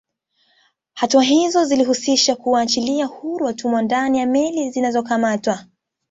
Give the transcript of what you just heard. Hatua izo zilihusisha kuwaachilia huru watumwa ndani ya meli zinazokamatwa